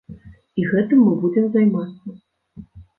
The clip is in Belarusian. І гэтым мы будзем займацца.